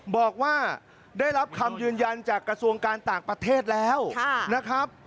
บอกว่าได้รับคำยืนยันจากกระทรวงการต่างประเทศแล้วนะครับ